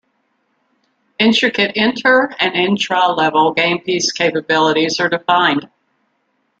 Intricate inter- and intra-level game piece capabilities are defined.